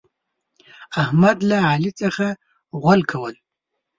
احمد له علي څخه غول کول.